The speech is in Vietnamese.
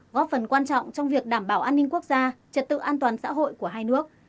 góp phần quan trọng trong việc đảm bảo an ninh quốc gia trật tự an toàn xã hội của hai nước